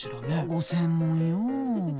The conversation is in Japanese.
ご専門よ。